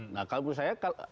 nah kalau menurut saya